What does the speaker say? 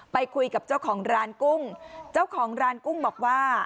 ไปคุยกับเจ้าของร้านกุ้งเจ้าของร้านกุ้งบอกว่า